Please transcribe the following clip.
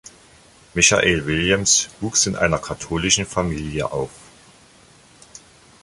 Michael Williams wuchs in einer katholischen Familie auf.